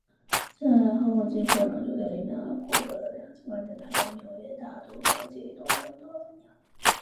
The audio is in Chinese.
季后赛扩充球队里面获得两次冠军的还有纽约大都会及多伦多蓝鸟。